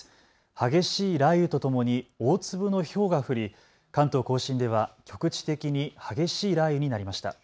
激しい雷雨とともに大粒のひょうが降り、関東甲信では局地的に激しい雷雨になりました。